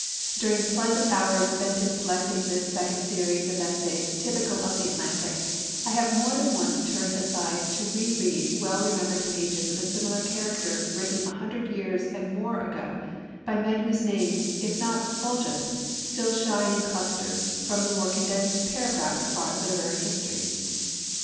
During pleasant hours spent in selecting this second series of essays typical of The Atlantic, I have more than once turned aside to re read well remembered pages of a similar character written an hundred years and more ago by men whose names, if not effulgent, still shine in clusters from the more condensed paragraphs of our literary histories.